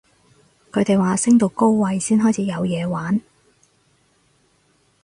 佢哋話升到高位先開始有嘢玩